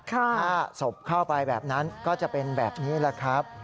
ถ้าศพเข้าไปแบบนั้นก็จะเป็นแบบนี้แหละครับ